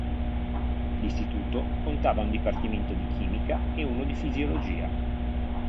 L'istituto contava un dipartimento di chimica e uno di fisiologia.